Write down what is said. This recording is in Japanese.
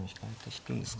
引くんですか。